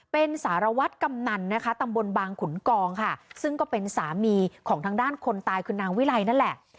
เป็นสารวัตรกำนันนะคะตำบลบางขุนกองค่ะซึ่งก็เป็นสามีของทางด้านคนตายคือนางวิไลนั่นแหละ